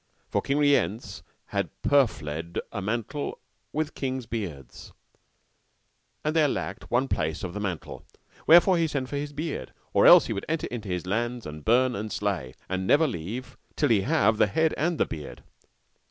For King Rience had purfled a mantle with kings' beards, and there lacked one place of the mantle; wherefore he sent for his beard, or else he would enter into his lands, and burn and slay, and never leave till he have the head and the beard.